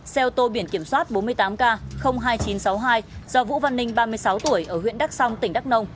xe ô tô biển kiểm soát bốn mươi tám k hai nghìn chín trăm sáu mươi hai do vũ văn ninh ba mươi sáu tuổi ở huyện đắk song tỉnh đắk nông